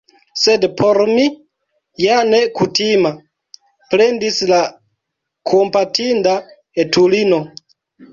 "Sed por mi ja ne kutima," plendis la kompatinda etulino.